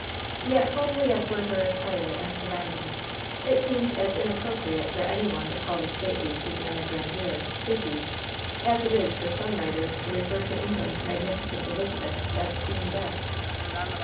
Yet homely as were her attire and surroundings, it seemed as inappropriate for any one to call the stately Susannah Grandiere "Sukey," as it is for some writers to refer to England's magnificent Elizabeth as "Queen Bess."